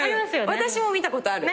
私も見たことある。